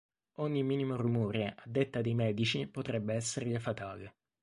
Ogni minimo rumore, a detta dei medici, potrebbe esserle fatale.